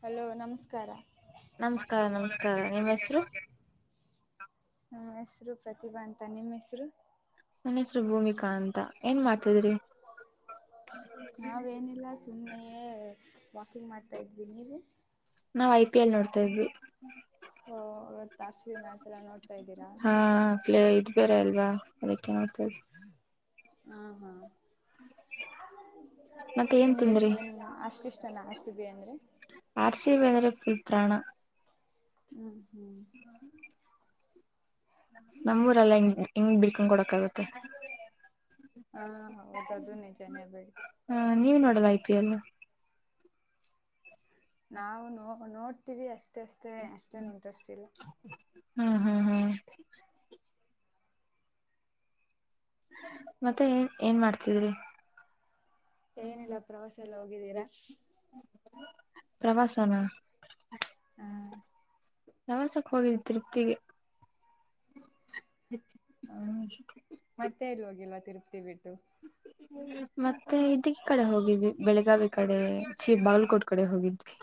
Hello ನಮಸ್ಕಾರ ನಮಸ್ಕಾರ ನಮಸ್ಕಾರ ನಿಮ್ಮ್ ಹೆಸರು ನಿಮ್ಮ ಹೆಸರು ಪ್ರತಿಭಾ ಅಂತ ನಿಮ್ಮ ಹೆಸರು ಮನುಸರು ಭೂಮಿಕಾ ಅಂತ ಏನ್ ಮಾಡ್ತಿದ್ರಿ ನಾ ವೇನಿಲ್ಲ ಸುಮ್ಮನೆಯೇ ವಾಕಿಂಗ್ ಮಾಡ್ತಾಯ ಇದ್ೀವಿ ನೀವು ನಾವ್ ಐ ಪಿ ಎಲ್ ನೋಡ್ತಾ ಇದ್ವಿ ಓ, ಇವತ್ತು ಆರ್ ಸಿ ಬಿ ಮ್ಯಾಚ್ ಎಲ್ಲ ನೋಡ್ತಾ ಇದ್ದೀರಾ ಹಾ ಪಲ ಬೇರ ಅಲ್ವಾ ಅದಕ್ಕೆೇ ನ ಮಾಡೋಡ್ತದೆ ಹಾ ಹಾ ಮತ್ತೆ ಏನ್ ನಿಂಗೆ ತಿಂದ್ರಿ ಏನ್ ಅಷ್ಟಿಷ್ಟ ನ ಸಿಿ ಅಂದ್ರೆ ಆಸಿ ವೇದರೆ ಫುಲ್ತ್ಾಣ ಹ್ಮ್ ಹ್ಮ್ ನಮ್ಮ್ ೂರೆಲ್ಲ ಹಂಗ ಹಂಗ್ ಬಿಡ್ಕೊಂಡ್ ಕೊಡಕ್ ಆಾಗತ್ತೆ ಹಾಂ ಹೌದು ಅದು ನಿಜನೇ ಬಿಡಿ ಹ ನೀವ್ ನೋಡಲ್ಲ ಐ ಪಿ ಎಲ್ಲ ನಾವು ನೋ ನೋಡ್ತೀವಿ ಅಷ್ಟೇ ಅಷ್ಟೆ ಅಷ್ಟೇ ಅಷ್ಟನು ಇಂಟ್ರೆಸ್ಟ್ ಇಲ್ಲ ಹ್ಮ್ ಹ್ಮ್ ಹ ಮತ್ತೆ ಏನ್ ಮಾಡ್ತಿದ್ರಿ ಏನಿಲ್ಲ ಪ್ರವಾಸ ಎಲ್ಲ ಹೋಗಿದ್ದೀರಾ ಪ್ರವಾಸನ ಹಾ ಪ್ರವಾಸಕ್ ಹೋಗಿದ್ವಿ ಮತ್ತೆ ಎಲ್ಲಿ ಹೋಗಿಲ್ವಾ ಹ್ಮ ತಿರುಪತಿ ಬಿಟ್ಟು ಮತ್ತೆ ಗಿ ಕಡೆ ಹೋಗಿದ್ವಿ ಬೆಳಗಾವಿ ಕಡೆ, ಚಿ ಬಾಗಲಕೋಟ್ ಕಡೆ ಹೋಗಿದ್ವಿ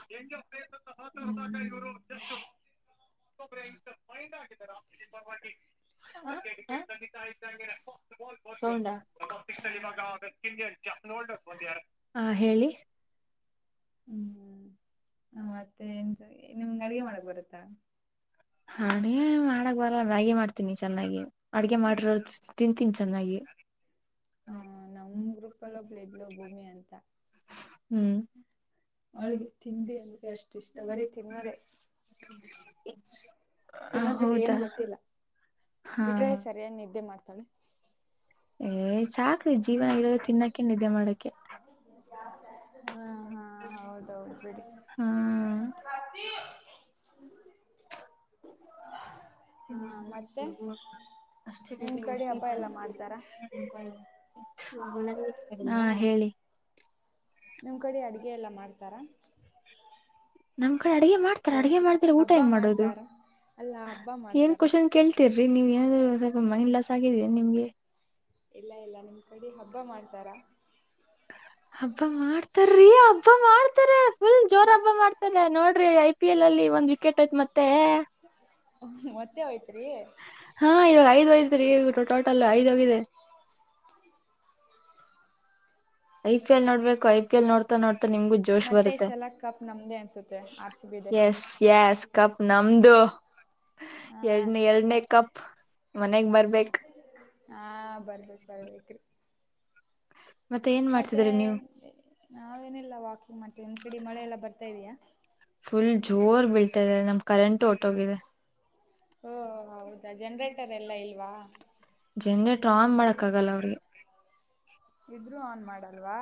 ಹ್ಞೂ [unintelligible] ಸೌಂಡಾ ಹೇಳಿ ಹ್ಮ ಹ ಮತ್ತೆನ್ ನಿಮಗೆ ಅಡಿಗೆ ಮಾಡಕ್ ಬರುತ್ತಾ ಅಡಿಗೆ ಮಾಡಕ್ ಬರಲ್ಲ. ಮ್ಯಾಗಿ ಮಾಡ್ತೀನಿ ಚೆನ್ನಾಗಿ, ಅಡ್ಗೆ ಮಾಡಿರೋದು ತಿಂತೀನಿ ಚೆನ್ನಾಗಿ ಹ್ಮ ಹ ನಮ್ ಗ್ರೂಪ್ ಅಲ್ಲ ಒಬ್ಳು ಇದ್ಲು ಭೂಮಿ ಅಂತ ಅವಳಿಗೆ ತಿಂಡಿ ಅಂದ್ರೆ ಅಷ್ಟು ಇಷ್ಟ ಬರೀ ತಿನ್ನೋದೇ ತಿನ್ನೋದ್ ಬಿಟ್ಟು ಏನು ಗೊತ್ತಿಲ್ಲ ಹಾ ಬಿಟ್ರೆ ಸರಿಯಾಗ್ ನಿದ್ದೆ ಮಾಡ್ತಾಳೆ ಏ ಸಾಕ್ರಿ ಜೀವನ ಇರೋದ ತಿನ್ನೋಕೆ ನಿದ್ದೆ ಮಾಡಕೆ ಹಾ ಹಾ ಹೌದೌದು ಬಿಡಿ ಹ್ಮ್ ಹಾ ಮತ್ತೆ ನಿಮ್ ಕಡೆ ಹಬ್ಬ ಎಲ್ಲ ಮಾಡ್ತಾರಾ [unintelligible] ಹಾ ಹೇಳಿ ನಿಮ್ ಕಡೆ ಅಡಗೆ ಎಲ್ಲ ಮಾಡ್ತಾರ ನಮ್ ಕಡೆ ಅಡ್ಗೆ ಮಾಡ್ತಾರ. ಅಡ್ಗೆ ಏತು ಮಾಡದಿರ ಊಟ ಹಬ್ಬ ಹೆಂಗ್ ಮಾಡೋದು? ಮಾಡ್ತಾರ ಅಲ್ಲ ಹಬ್ಬ ಏನ್ ಮಾಡ್ತಾರ ಕ್ವಶನ್ ಕೇಳ್ತೀರಿ ೀ ನೀವು ಏನಾದ್ರು ಸ್ವಲ್ಪ ಮೈಂಡ್ ಲಾಸ್ ಆಗಿದ್ಯಾ ನಿಮ್ಗೆ ಇಲ್ಲ ಇಲ್ಲ ನಿಮ್ ಕೈ ಅಡಿ ಹಬ್ಬ ಮಾಡ್ತಾರ ಹಬ್ಬಾ ಮಾಡ್ತ ಸರೀ ಹಬ್ಬ ಮಾಡ್ತಾರೆ ಫುಲ್ ಜೋರ ಹಬ್ಬ ಮಾಡ್ತಾರೆ ನೋಡ್ರಿ ಐ ಪಿ ಎಲ್ ಅಲ್ಲಿ ಒಂದ್ ಕೆಟ್ ಹೋಯ್ತ್ ಮತ್ತೆ ಮತ್ತೆ ಹೋಯ್ತಾ ಹಾ ಇವಾಗ ಐದ್ ಹೋಗತ್ರೀ, ಟೋಟಲ್ ಐದ್ ಹೋಗಿದೆ ಐ ಪಿ ಎಲ್ ನೋಡ್ಬೇಕು. ಐ ಪಿ ಎಲ್ ನೋಡ್ತಾ ನೋ ಮ ನಿಮಗು ಜೋಶ್ ಮತ್ತೆ ಈ ಬರುತ್ತೆ. ಸಲ ಕಪ್ ನಮ್ದೇ ಅನ್ಸುತ್ತೆ ಆರ್ ಸಿ ಬಿದೆ ಎಸ್, ಎಸ್, ಕಪ್ ನಮ್ದು. ಹಾ ಎರಡನೇ ನೀನ್ ಮ ಎರಡನೇ ಕಪ್ ಮನೆಗ್ ಬರ್ಬೇಕ್ ಹಾ ಬರ್ಬೇಕ ಬರ್ಬೇಕ್ರಿ ಮತ್ತೆ ಏನ್ ಮಾಡ್ತಿದೀರಿ ನೀವು ನಾವೇನಿಲ್ಲ ವಾಕ್ ಮತ್ತೆ ಇನ್ ಕಡಿ ಮಳೆ ಎಲ್ಲ ಬರ್ತಾ ಇದಯಾ ಫುಲ್ ಜೋರ್ ಬೀಳ್ತಾದೆ ನಮ ಕರೆಂಟ್ ಹೊಟ್ಟೋಗಿದೆ ಓ ಹೌದಾ ಜನ್ರ ಜನ್ರೇಟರ್ ಆಮ್ ಮಾಡಕ್ಗಲ್ಲ ಅವ್ರಿಗೆ ಇದ್ರೂ ಆನ್ ಮಾಡಲ್ವಾ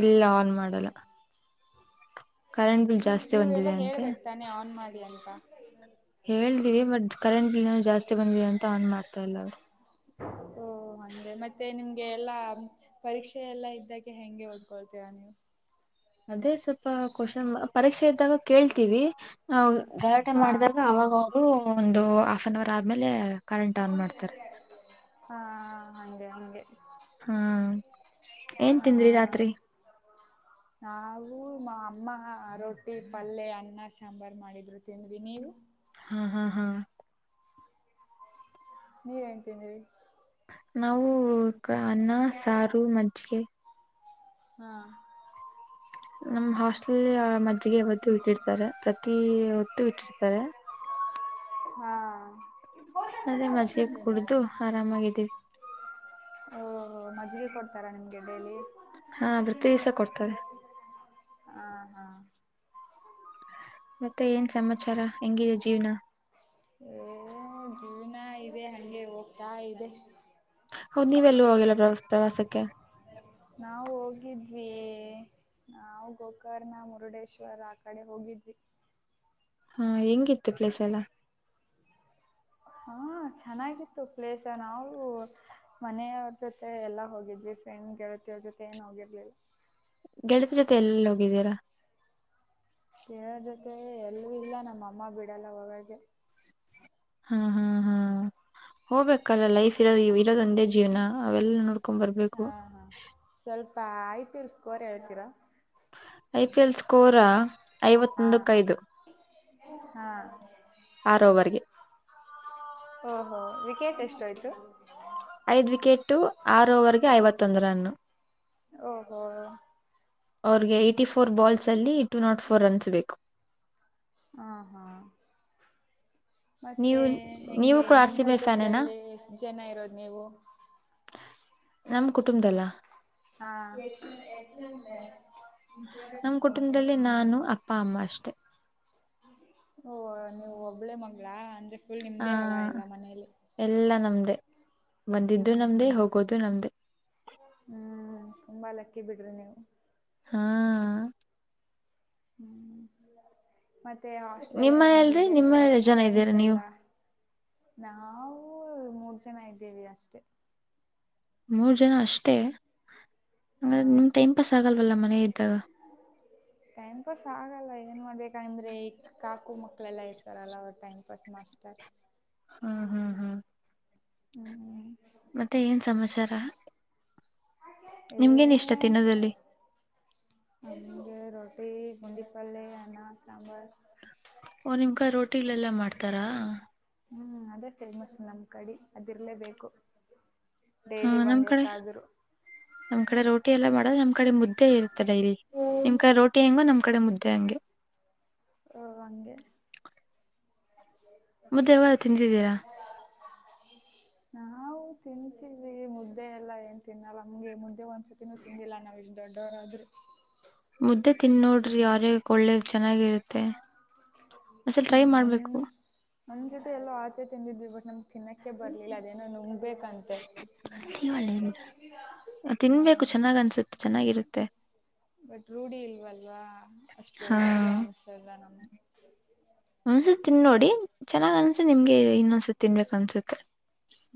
ಇಲ್ಲ ಆನ್ ಮಾಡಲ್ಲ ಕರೆಂಟ್ ಬಿಲ್ ಜಾಸ್ತಿ ನೀವು ಬಂದಿದೆ ಎಲ್ಲಾ ಅಂತೆ ಹೇಳ್ಬೇಕ ತಾನೆ ಆನ್ ಮಾಡಿ ಅಂತ ಹೇಳ್್ದಿವವಿ ಬಟ್ ಕರೆಂಟ್ ಬಿಲ್ ಜಾಸ್ತಿ ಬಂದಿದೆ ಅಂತ ಆನ್ ಮಾಡ್ತಾ ಇಲ್ಲ ಅವರು ಅಂದೆ ಮತ್ತೆ ನಿಮ್ಗೆ ಎಲ್ಲಾ ಪರೀಕ್ಷೆ ಎಲ್ಲ ಇದ್ದಾಗ ಹೆಂಗೆ ಹೊಳ್ಕೊಳ್ತೀರಾ ನೀವು ಮದೇ ಸ್ಪ್ಪ ಕಶಂ ಪರೀಕ್ಷೆ ಇದ್ದಾಗ ಕೇಳ್ತೀವಿ. ಹೌದು ಗಲಾಟೆ ಹಾ ಮಾಡಿದಾಗ ಅವಾಗವರು ಒಂದು ಆಸ್ ಆನ್ ಅವರ್ ಆದ್ಮೇಲೆ ಕರೆಂಟ್ ಆನ್ ಮಾಡ್ತಾರೆ. ಹಾ ಹಂಗೆ ಹ್ಮ ಏನ್ ತಿಂದ್ರಿ ರಾತ್ರಿ. ಹಾ ನಾವು ಮಾ ಅಮ್ಮ ಹಾ ರೊಟ್ಟಿ, ಪಲ್ಯ, ಅನ್ನ, ಸಾಂಬಾರ್ ಮಾಡಿದ್ರು ತಿಂದ್ವಿ ನೀವು. ಹಾ ಹಾ ಹಾ ನೀವೇನ್ ತಿಂದಿರಿ. ನಾವು ಅನ್ನ, ಸಾರು, ಮಜ್ಜಿಗೆ ಹ್ಮ ನಮ್ ಹಾಸ್ಟೇಲ್ ಆ ಮಜ್ಜಿಗೆ ಹೊತ್ತುಇಟ್ಟಿರ್ತಾರೆ ಪ್ರತಿ ಹೊತ್ತು ಇಟ್ಟಿರ್ತಾರೆ. ಹಾ ತಣ್ಣಗೆ ಮಜ್ಜೆಗೆ ಕೂಡ್ದು ಆರಾಮಾಗಿದ್ದೀವಿ. ಓಹೋ ಮಜ್ಜಿಗೆ ಕೊಡ್ತಾರಾ ನಿಮ್ಗೆ ಡೈಲಿ ಹಾ ಬ್ರತ್ತಿಸ ಕೊಡ್ತಾರೆ. ಆ ಹಾ ಮತ್ತೆ ಏನ್ ಸಮತ್. ಎಎ ಜೀವನಾ ಇದೆ ಹಂಗೆ ಹೋಗ್ತಾ ಇಲ್ಲ್. ಮತ್ತೆ ಹೌದ್ ನೀವೆಲ್ಲೂ ಹೋಗಿಲ್ಲಾ ಪ್ರವಾಸಕ್ಕೆ. ನಾವು ಹೋಗಿದ್ವಿ, ನಾವು ಗೋಕರ್ಣ ಮುರುಡೇಶ್ವರ್ ಆ ಕಡೆ ಹೋಗಿದ್ವಿ. ಹಾ ಹೆಂಗಿತ್ತು ಪ್ಲೇಸ್ ಎಲ್ಲಾ. ಹಾ ಚೆನ್ನಾಗಿತ್ತು ಪ್ಲೇಸ್ ನಾವು ಮನೆಯವ್ರ ಜೊತೆ ಎಲ್ಲ ಹೋಗಿದ್ವಿ. ಫ್ರೆಂಡ್ ಗೆಳತಿಯವ್ರ [unintelligible] ಜೊತೆ ಏನ್ ಹೋಗಿರ್ಲಲ್ಲಾ. ಗೆಳೆತಿ ಜೊತೆ ಎಲ್ಲ ಎಲ್ಲಿ ಹೋಗಿದ್ದೀರಾ. ಯಾರ್ ಜೊತೆ ಎಲ್ಲೂ ಇಲ್ಲಾ ನಮ್ಮ ಅಮ್ಮ ಬಿಟ್ಟ [unintelligible] ಹೋಗೋಕ್ಕೆ ಹಾ ಹಾ ಹಾ ಹಾ ಹೋಗ್ಬೇಕಲ್ಲ ಲೈಫ್ ಇರೋದು ಇರೋದ ಒಂದೇ ಜೀವನ ಅವೆಲ್ಲ ನೋಡ್ [unintelligible] ಬರ್ಬೇಕು. ಬಾಯ್ [unintelligible] [unintelligible] ಹೇಳ್ತೀರಾ. ಐಪಿಎಲ್ ಸ್ಕೋರಾ. ಹಾ ಐವತ್ತೊಂದಕ್ಕೈದು ಹಾ ಆರ್ ಓವರ್ ಗೆ ಓ ಓ ವಿಕೆಟ್ ಎಷ್ಟ್ ಆಯ್ತು. ಐದ್ ವಿಕೆಟು ಆರು ಓವರ್ಗೆ ಐವತ್ತೊಂದ್ ರನ್. ಓಹೋ ಅವ್ರಗೆ ಎಟಿ [unintelligible] ಫೋರ್ ಬಾಲ್ಸ್ ಅಲ್ಲಿ ಟೂ ನಾಟ್ ಫೋರ್ ರನ್ಸ್ ಬೇಕು. ಹ ಹಾ ನೀವು ಮತ್ತೆ ನೀವು ಹೆಂಗೆ ಕೂಡ ಆರ್ ನಿಮ್ ಸಿ ಬಿ ಫ್ಯಾನೇನಾ ಕುಟುಂಬದಲ್ಲಿ ಎಷ್ಟ ಜನ ಇರೋದು ನೀವು ನಮ್ ಕುಟುಂಬದಲ್ಲ ಹಾ ನಮ್ ಕುಟುಂಬದಲ್ಲಿ ನಾನು ಅಪ್ಪ ಅಮ್ಮ ಅಷ್ಟೇ ಓ ನೀವು ಒಬ್ಬಳೇ ಮಗ್ ಗಳ [unintelligible] ಹಾ ಎಲ್ಲಾ ನಮ್ದೇ ಹ್ಞೂ ಬಂದಿದ್ದು ಹ್ಞೂ ನಮ್ದೇ ಹೋಗೋದು ನಮ್ದೇ ತುಂಬಾ ಲಕ್ಕಿ ಬಿಡ್ರಿ ನೀವು ಹಾ ಹ್ಮ್ ಮತ್ತೆ ಹಾಸ್ಟೆಲ್ ಎಲ್ಲ ನಿಮ್ ಮನೇಲ್ರಿ ಹೆಂಗಿದೆ ನಿಮ್ಮ ಜನ ಫ್ರೆಂಡ್ಸ್ ಇದ್ದೀರಾ ನೀವು ಎಲ್ಲ ನಾವ್ - ಹ ಮೂರ್ ಜನ ಇದ್ದೇವಿ ಅಷ್ಟೇ ಮೂರ್ ಜನ ಅಷ್ಟೇ ಹಂಗಾದ್ರೆ ನಿಮ್ ಟೈಮ್ ಪಾಸ್ ಆಗಲ್ವಲ್ಲ ಮತ್ತ [unintelligible] ಇದ್ದಾಗ ಟೈಮ್ ಪಾಸ್ ಆಗಲ್ಲ ಏನ್ ಮಾಡ್ಬೇಕಂದ್ರೆ ಈ ಕಾಕು ಮಕ್ಕಳೆಲ್ಲ ಇರ್ತಾರೆ ಅಲ್ಲ [unintelligible] ಟೈಮ್ [unintelligible] ಹ್ಮ್ ಹ್ಮ್ ಹ್ಮ್ ಹ್ಮ್ ಮತ್ತೆ ಏನ್ ಸಮಾಚಾರ ಏ ನಿಮ್ಗೇನ್ ಇಷ್ಟ ತಿನ್ನೋದದಲ್ಲಿ ರಟಿ ಗುಂಡಿ ಪೆ ಅನಾ ಸಾಂಬಾರ್ ಓ ನಿಮ್ ಕಾಯ ರೋಟಿಲೆೆಲ್ಲಾ ಮಾಡ್ತಾರಾ ಹ್ಮ್ ಅದೇ ಫೇಮಸ್ ನಮ್ಮ್ ಕಡೆ ಅದಿರ್ಲೇಬೇಕು ಹಾ ನಮ್ ಕಡೆ ನಮ್ ಕಡೆ ರೋಟಿ ಎಲ್ಲ ಮಾಡ ನಮ್ಮ ಕಡೆ ಮುದ್ದೆ ಇರ್ತಲ್ಲ ಇಲ್ಲಿ ನಿಮ್ ಕ ರೋಟಿ ಹೆಂಗೋ ನಮ್ಮ ಕಡೆ ಮುದ್ದೆ [inaudible] ಓ ಹಂಗೆ ಮುದ್ದೆ ಯವತ್ತಾದರೂ ತಿಂದಿದ್ದೀರಾ ನಾವು ತಿಂತೀವಿ ಮುದ್ದೆ ಎಲ್ಲ ಏನ್ ತಿನ್ನಲ್ಲ ನಮ್ಗೆ ಮುದ್ದೆ ಒಂದ್ಸತಿನೂ ತಿಿಂದಿಲ್ಲ ನಾವ್ ಇಲ್ಲಿ ದೊಡ್ಡವರಾದ್ರರು ಮುದ್ದೆ ತಿನ್ ನೋಡ್ರಿ ಯಾರೇ ಒಳ್ಳೆ ಚೆನ್ನಾಗಿರುತ್ತೆ ಒಂದ್ಸಲ ಟ್ರೈ ಮಾಡ್ಬೇಕು ನನ್್ ಜೊತೆ ಎಲ್ಲೋ ಆಚೆ ತಿನ್ದಿದ್ವಿ ಬಟ್ ನಮ್ ತಿನ್ನಕ್ಕೆ ಬರ್ಲಿಲ್ಲ ಅದೇನೋ ನುಂಗ್ಬ್ಬೇಕು ಹ ತಿನ್ಬೇಕು ಚೆನ್ನಾಗ್ ಅನ್ಸುತ್ತೆ ಚೆನ್ನಾಗಿರುತ್ತೆ ಬಟ್ ರೂಢಿ ಇಲ್ವಲ್ಲ ಅಲ್ವಾ ಅಷ್ಟು ಚಲೋ ಅನ್ಸಲ್ಲ ನಮ್ ಒಂದ್ಸತ್ ನೋಡಿ ಚೆನ್ನ್ ಅನ್ಸೆ ನಿಮ್ಗೆ ಇನ್ನನ್ಸೆ ತಿನ್ಬೇಕ ಅನ್ಸುತ್ತೆ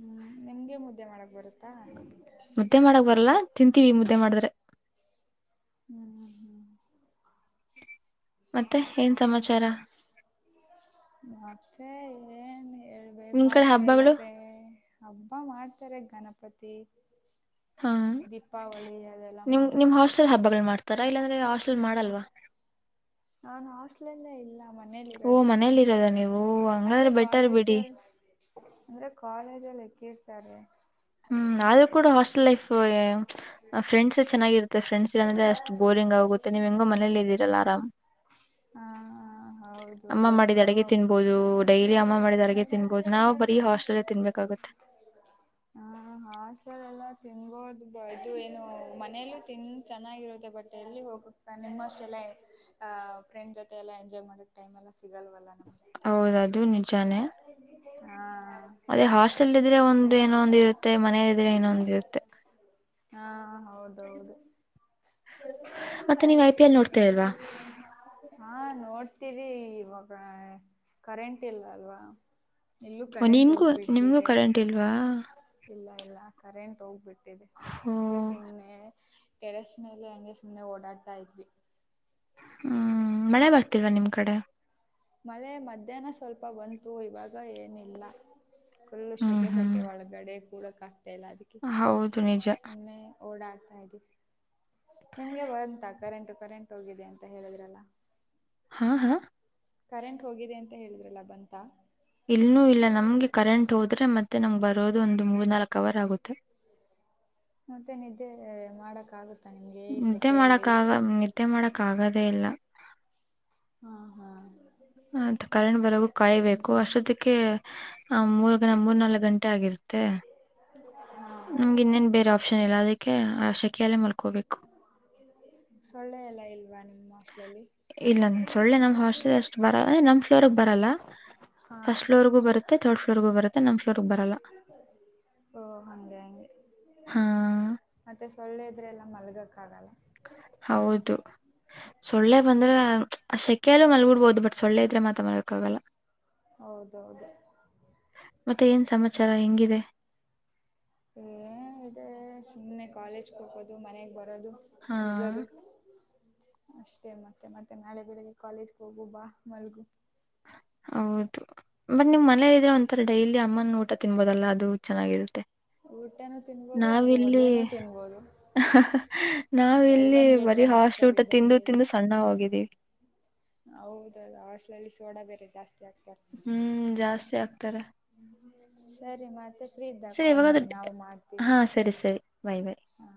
ಹ್ಮ್ ನಿಮ್ಗೆ ಮುದ್ದೆ ಮಾಡಕ್ ಬರುತ್ತೆ ಮುದ್ದೆ ಮಾಡಕ್ ಬರಲ್ಲ ತಿಂತೀವಿ ಮುದ್ದೆ ಮಾಡಿದ್ರೆ ಹ್ಮ್ ಹ್ಮ ಹ್ಮ್ ಮತ್ತೆ ಏನ್ ಸಮಾಚಾರ ಮತ್ತ ಹೇಳ್ಬೇಕು ನಿಮ್ ಕಡೆ ಹಾಸ್ಟ್ಲಲ್ ಎಲ್ಲ ಹಬ್ಬಗಳು ಫ್ರೇ ಹಬ್ಬ ಮಾಡ್ತಾರೆ ಗಣಪತಿ ಹಾ ದೀಪಾವಳಿ ಅದೆಲ್ಲ ನಿಮ್ ನಿಮ್ ಮಾಡ್ತಾರೆ ಹಾಸ್ಟೆಲ್ ಹಬ್ಬಗಳು ಮಾಡ್ತಾರಾ ಇಲ್ಲಾಂದ್ರೆ ಹಾಸ್ಟೆಲ್ ಮಾಡಲ್ವಾ ನಾನ್ ಹಾಸ್ಟ್ಲಲ್ಲೇ ಇಲ್ಲ ಮನೇಲಿ ಓ ಇರೋದು ಮನೇಲಿ ಇರೋದ ನೀವು ಅಂದ್ರೆ ಹಂಗಾದ್ರೆ ಬೆಟರ್ ಕಾಲೇಜ ಬಿಡಿ ಅಂದ್ರೆ ಕಾಲೇಜ್ ಮಲ್ಲ ಕೇಳ್ತಾರೆ ಸ್್ಲಿ್ ಸ ಫ್ರೆಂಡ್ಸ್ ಚೆನ್ನಾಗಿರುತ್ತೆ ಫ್ರೆಂಡ್ಸ್ ಇಲ್ಲಾಂದ್ರೆ ಅಷ್ಟು ಬೋರಿಂಗ್ ಆಗುತ್ತೆ ನೀವ್ ಹೆಂಗೋ ಮನೇಲಿ ಇದ್ದೀರಲ್ಲ ಆರಾಮ ಹೌದು ಅಮ್ಮ ಮಾಡಿದ ಬಟ್ಟು ಅಡಗೆ ತಿನ್ಬಹುದು ಡೈಲಿ ಅಮ್ಮ ಮಾಡಿದ ಅಡಗೆ ತಿನ್ಬಹುದು ನಾವವು ಬರೀ ಹಾಸ್ಟೆಲ್ ತಿನ್ಬೇಕಾಗುತ್ತೆ ಹ ಹಾಸ್ಟೆಲ್ ಎಲ್ಲ ತಿನ್ಬೋದು ಬು ಏನೋ ಮ ಮನೇಲ್ಲ ತಿಿಂದ ಚೆನ್ನಾಗಿರುತ್ತೆ ಬಟ್ ಎಲ್ಲಿ ಹೋಗ ನಿಮ್ಮಷ್ಟೆಲ್ಲ ಆಹ ಫ್ರಂಡ್ ಜೊತೆ ಎಲ್ಲ ಎಂಜಾಯ್ ಮಾಡಕ್ಟೈಮ್ ಎಲ್ಲ ಸಿಗಲ್ವ ನಮಕಾರ ಹೌದು ಅದು ನಿಜಾನೇ ಹಾ ಅದೇ ಹಾಸ್ಟೆಲ್ ಇದ್ರೆ ಒಂದು ಏನೋ ಒಂದ್ ಇರುತ್ತೆ ಮನೇಲಿ ಇದ್ರೆ ಏನೋ ಒಂದ್ [unintelligible] ಇರುತ್ತೆ ಹಾ ಹ ಹೌದೌದು ಮತ್ತೆ ನೀವ್ ಐ ಪಿ ಎಲ್ ನೋಡ್ತಾ ಇಲ್ವಾ ಹಾ ನೋಡ್ ಇದ್ದೀವಿ ಇವಾಗ ಕರೆಂಟ್ ಇಲ್ಲ ಅಲ್ವಾ ಇಲ್ಲೂ ಕರೆಂಟ್ ನಿಮ್ಗೂ ನಿಮ್ಗೂ ಹೋಗ್ಬಿಟ್ಟಿದೆ ಕರೆಂಟ್ ಇಲ್ವಾ ಆ ಕರೆಂಟ್ ಹೋಗ್ಬಿಡ್ತು ದೆ ಓ ಗೆ ಸುಮ್ನೆ ಟೆರೆಸ್ ಮೇಲೆ ಹಂಗೆ ಸುಮ್ಮನೆ ಓಡಾಡ್ತಾ ಇದ್ವಿ ಹ್ಮ್ ಮಳೆ ಬರ್ತಿಲ್ವಾ ನಿಮ್ ಕಡೆ ಮಳೆ ಮಧ್ಯಾಹ್ನ ಸ್ವಲ್ಪ ಬಂತು ಇವಾಗ ಏನಿಲ್ಲ ಫುಲ್ ಹ್ಮ್ ಶೆಕೆ ಹ್ಮ್ ಶೆಕೆ ಒಳಗಡೆ ಕೂಡ ಕ ಲದಕ್ಕೆ. ಹೌದು ನಿಜ ಸುಮ್ಮನೆ ಓಡಾ ತ್ದ ನಿಮ್ಗೆ ಬಂತ ಕರೆಂಟ್ ಕರೆಂಟ್ ಹೋಗಿದೆ ಅಂತ ಹೇಳಿದ್ರಲ್ಲ ಹಾ ಹಾ ಕರೆಂಟ್ ಹೋಗಿದೆ ಅಂತ ಹೇಳಿದ್ರಲ್ಲ ಬಂತ ಇಲ್ಲೂ ಇಲ್ಲ ನಮ್ಗೆ ಕರೆಂಟ್ ಹೋದ್ರೆ ಮತ್ತೆ ಮತ್ತೆ ನಮಗ್ ಬರೋದು ಒಂದು ಮೂರ್ ನಾಲ್ಕ ಅವರ್ ಆಗುತ್ತೆ ಮತ್ತೆ ನಿದ್ದೆ ಮಾಡಕ್ ಆಗುತ್ತ ನಿದ್ದೆ ಮಾಡಕ್ಕ ಆಗ ನಿದ್ದೆ ಮಾಡಕ್ ಆಗದೇ ಇಲ್ಲ ಹೌದ ಮತ್ ಕರೆಂಟ್ ಬರಗೂ ಕಾಯಿಬೇಕು. ಅಷ್ಟೊತ್ತ ಮೂರ್, ಮೂರ್ನಾಲ್ಕು ಗಂಟೆ ಆಗಿರುತ್ತೆ ಹಾಂ ಮತ್ತ ನಮಗೆ ಇನ್ನೇನ್ ಬೇರೆ ಆಪ್ಷನ್ ಇಲ್ಲ ಅದ ೆ ಆ ಶೆಕೆಯಲ್ಲೇ ಮಲ್ಕೋಬೇಕು ಸೊಳ್ಳೆ ಎಲ್ಲಾ ಇಲ್ವಾ ನಿಮ್ಮ ಹಾಸ್ಟ್ಲಲ್ಲಿ ಇಲ್ಲ ಸೊಳ್ಳೆ ನಮ ಹಾಸ್ಟೆಲ್ ಅಷ್ಟು ಬರ ನಮ್ ಫ್ಲೋರ್ ಬರಲ್ಲ ಹಾಂ ಫಸ್ಟ್ ಫ್ಲೋರ್ಗೂ ಬರುತ್ತೆ ಥರ್ಡ್ ಫ್ಲೋರ್ಗು ಬರುತ್ತೆ ನಮ ಫ್ಲೋರ್ ಬರಲ್ಲ ಓ ಹಾಗೆ ಹಾಗೆ ಹ ಸೊಳ್ಳೆದ್ರೆಲ್ಲ ಮಲ್ಗೋಕ್ಕಾಗಲ್ಲ ಹೌದು ಸೊಳ್ಳೆ ಹ್ಞೂ ಬಂದ್ರೆ ಕೆಲವು ಮಲ್ಗೂಡ್ಬೋದು ಬಟ್ ಸೊಳ್ಳೆ ಇದ್ರೆ ಮಾತಾೋಕ್ಕಾಗಲ್ಲ ಹೌದೌದು ಮತ್ತೆ ಏನ್ ಸಮಾಚಾರ ಹೆಂಗಿದೆ ಹ ಇೇ ಸುಮ್ಮ್ನೆ ಕಾಲೇಜ್ ಹೋಗೋದು ಮನೆಗ್ ಬ ದು ಹಾಂ ಮಳ್ಗದು ಅಷ್ಟೇ ಮತ್ತೆ ಮತ್ತೆ ನಾಳೆ ಬೆಳಿಗ್ಗೆ ಕಾಲೇಜ್ಗೆ ಹೋಗು ಬಾ ಮಲ್ಗು ಹೌದು ಬಟ್ ನಿಮ್ ಮನ ಇದ್ರೆ ಒಂಥರ ಡೈಲಿ ಅಮ್ಮನ ಊಟ ತಿನ್ಬೋದಲ್ಲಾ ಅದು ಚೆನ್ನಾಗಿರುತ್ತೆ ಊಟನೂ ತಿನ್ಬೋದು ಹಂಗೆ ನಾವಿಲ್ಲಿ ಒದೆನೂ ತಿನ್ಬೋದು ನಾವವು ಬೈ ಇಲ್ಲಿ ಒನ್ ಗೆಟ್ ಬರೀ ಒನ್ ಆಫರ್ ಹಾಸ್ಊಟ ತಿಂದು ಇದ್ದಂಗೆ ತಿಂದು ಇದು ಸಣ್ಣ ಹೋಗಿದ್ದೀವಿ ಹೌದೌದು ಆಷ್ಟಲಲ್ಲಿ ಸೋಡಾ ಬೇರೆ ಜಾಸ್ತಿ ಹಾಕ್ತಾರೆ ಹ್ಮ್ ಜಾಸ್ತಿ ಆಗ್ತಾರೆ ಸರಿ ಮತ್ತೆ ಫ್ರೀ ಇದ್ದಾಗ ಸರಿ ಕಾಲ್ ಇವಾಗ ಅದು ಮಾಡಿ ನಾವು ಮಾಡ್ತೀವಿ ಹಾ ಸರಿ ಸರಿ ಬಾಯ್ ಬಾಯ್. ಹ